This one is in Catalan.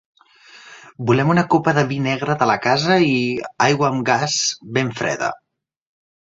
Volem una copa de vi negre de la casa, i aigua amb gas ben freda.